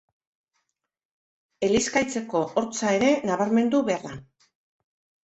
Elizkaitzeko Hortza ere nabarmendu behar da.